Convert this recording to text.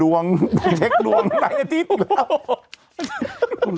สวัสดีครับคุณผู้ชม